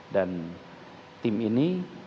dan tim ini